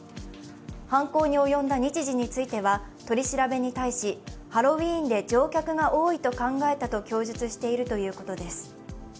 犯行に及んだ日時については、取り調べに対しハロウィーンで乗客が多いと考えたと供述しているということです。